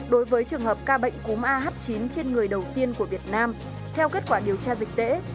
đối với trường hợp ca bệnh cúng a h chín trên người đầu tiên của việt nam theo kết quả điều tra dịch tễ